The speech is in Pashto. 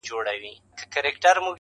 چي لاپي مو د تورو او جرګو ورته کولې!!